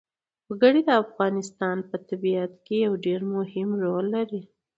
وګړي د افغانستان په طبیعت کې یو ډېر مهم رول لري.